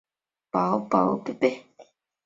大县神社是位在日本爱知县犬山市的神社。